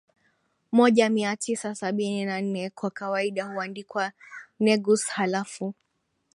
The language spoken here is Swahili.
moja Mia tisa sabini na nne kwa kawaida huandikwa Negus Halafu